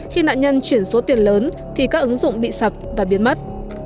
khi nạn nhân chuyển số tiền lớn thì các ứng dụng bị sập và biến mất